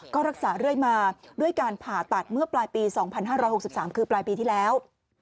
ก็รักษาเรื่อยมาด้วยการผ่าตัดเมื่อปลายปี๒๕๖๓คือปลายปีที่แล้ว